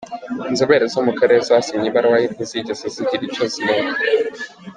Inzobere zo mu Karere zasomye ibaruwa ye ntizigeze zigira icyo zibona.